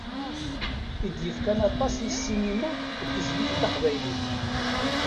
I d-yefkan aṭas i ssinima d tezlit taqbaylit.